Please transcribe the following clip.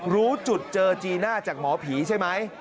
รู้จุดเจอจีน่าจากหมอผีใช่ไหม